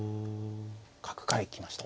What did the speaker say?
角から行きました。